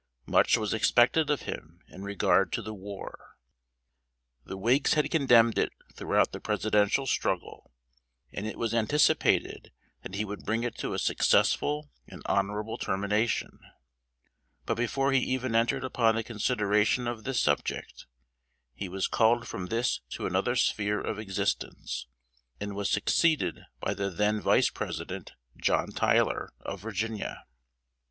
Much was expected of him in regard to the war. The Whigs had condemned it throughout the Presidential struggle, and it was anticipated that he would bring it to a successful and honorable termination; but before he even entered upon the consideration of this subject, he was called from this to another sphere of existence, and was succeeded by the then Vice President, John Tyler, of Virginia.